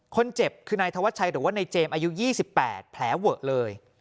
คนเจ็บคือนายธวัชชัยหรือว่านายเจมส์อายุ๒๘แผลเวอะเลย